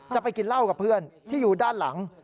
จะไปกินเหล้ากับเพื่อนที่อยู่ด้านหลัง